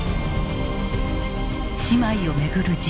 姉妹を巡る事件